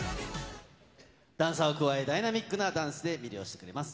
ダンサーを加え、ダイナミックなダンスで魅了してくれます。